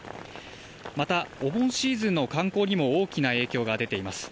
また、お盆シーズンの観光にも大きな影響が出ています。